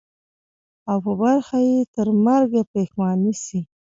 او په برخه یې ترمرګه پښېماني سي